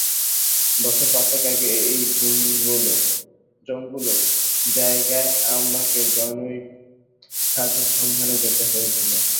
বছর পাঁচেক আগে এই জঙ্গুলো জায়গায় আমাকে জনৈক সাধুর সন্ধানে যেতে হয়েছিল।